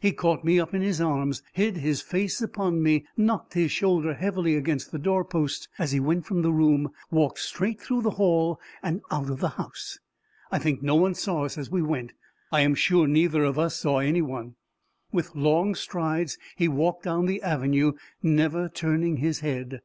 He caught me up in his arms, hid his face upon me, knocked his shoulder heavily against the door post as he went from the room, walked straight through the hall, and out of the house. I think no one saw us as we went; I am sure neither of us saw any one. With long strides he walked down the avenue, never turning his head.